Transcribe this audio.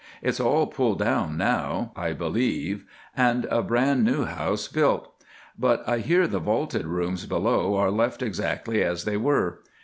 It's all pulled down now, I believe, and a bran new house built; but I hear the vaulted rooms below are left exactly as they were.